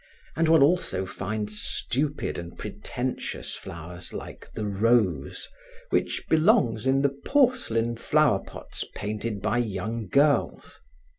And one also finds stupid and pretentious flowers like the rose which belongs in the porcelain flowerpots painted by young girls.